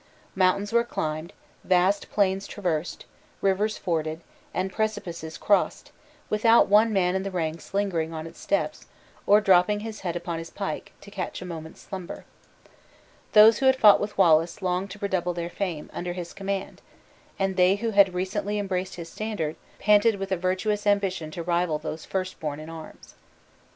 Mountains were climbed, vast plains traversed, rivers forded, and precipices crossed, without one man in the ranks lingering on its steps, or dropping his head upon his pike, to catch a moment's slumber. Those who had fought with Wallace, longed to redouble their fame under his command; and they who had recently embraced his standard, panted with a virtuous ambition to rival those first born in arms.